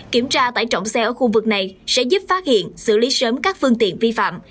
kiểm tra tải trọng xe ở khu vực này sẽ giúp phát hiện xử lý sớm các phương tiện vi phạm